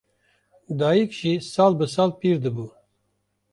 Dayîk jî sal bi sal pîr dibû